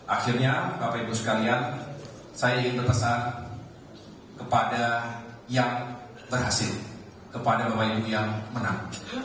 akhirnya bapak ibu sekalian saya ingin berpesan kepada yang berhasil kepada pemain yang menang